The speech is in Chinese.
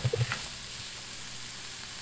肌肉龙属是种原始阿贝力龙科恐龙。